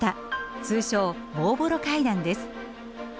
通称ボーヴォロ階段です。